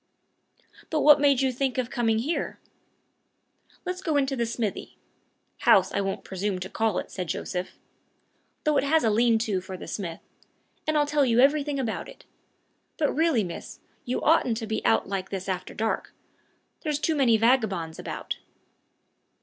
"But what made you think of coming here?" "Let's go into the smithy house I won't presume to call it," said Joseph, "though it has a lean to for the smith and I'll tell you everything about it. But really, miss, you oughtn't to be out like this after dark. There's too many vagabonds about."